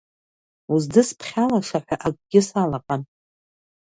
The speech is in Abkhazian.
Уздысԥхьалаша ҳәа акгьы салаҟам.